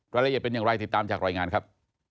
รายละเอียดเป็นอย่างไรติดตามจากรายงานครับ